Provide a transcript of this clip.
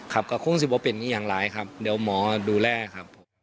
ครับก็คงสิบว่าเป็นอย่างไรครับเดี๋ยวหมอดูแลครับ